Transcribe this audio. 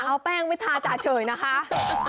อย่าเอาแป้งไปทาจาเฉยนะคะ